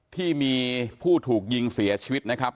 ที่มีผู้ถูกยิงเสียชีวิตนะครับ